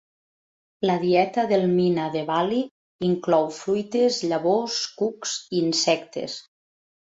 La dieta del mynah de Bali inclou fruites, llavors, cucs i insectes.